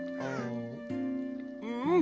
うん！